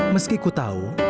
meski ku tahu